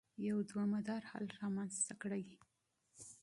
يو دوامدار حل رامنځته کړي.